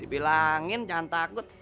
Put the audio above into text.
dibilangin jangan takut